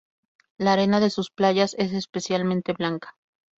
La arena de sus playas es especialmente blanca.